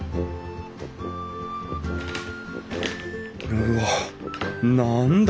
うわっ何だ？